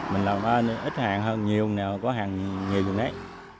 mình làm ít hàng hơn nhiều có hàng nhiều hơn đấy